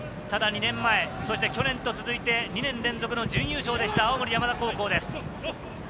ただ２年前、そして去年と続いて２年連続の準優勝でした、青森山田高校です。